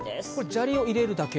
砂利を入れるだけ？